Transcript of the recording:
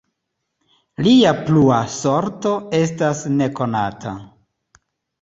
Lia plua sorto estas nekonata.